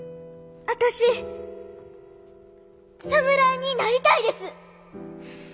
私侍になりたいです！